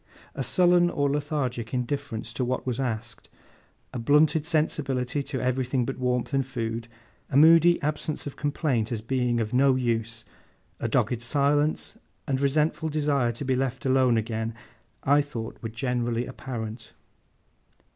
A sullen or lethargic indifference to what was asked, a blunted sensibility to everything but warmth and food, a moody absence of complaint as being of no use, a dogged silence and resentful desire to be left alone again, I thought were generally apparent.